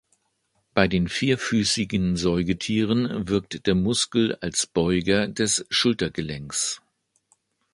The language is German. Bei den vierfüßigen Säugetieren wirkt der Muskel als Beuger des Schultergelenks.